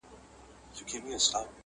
اوس و تاسو ته زامنو انتظار یو!!